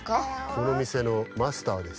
このみせのマスターです。